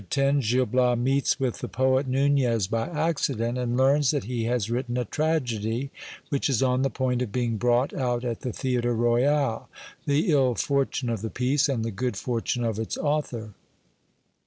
— Gil Bias meets with the poet Nunez by accident, and learns that he has written a tragedy, which is on the point of being brought out at the theatre royal. The ill fortune of the piece, and the good fortune of its author.